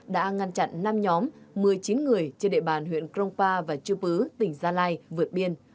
đã ngăn chặn năm nhóm một mươi chín người trên địa bàn huyện krongpa và chư pứ tỉnh gia lai vượt biên